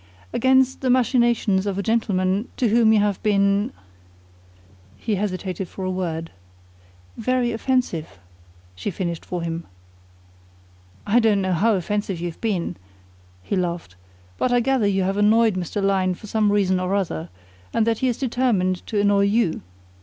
"Against the machinations of a gentleman to whom you have been " he hesitated for a word. "Very offensive," she finished for him. "I don't know how offensive you've been," he laughed, "but I gather you have annoyed Mr. Lyne for some reason or other, and that he is determined to annoy you.